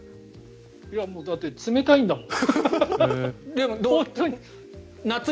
だって冷たいんだもん。